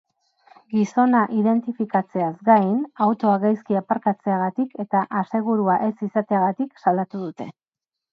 Gizona identifikatzeaz gain, autoa gaizki aparkatzeagatik eta asegurua ez izateagatik salatu dute.